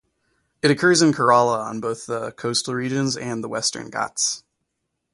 It occurs in Kerala on both the coastal regions and the Western Ghats.